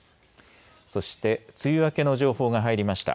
そして梅雨明けの情報が入りました。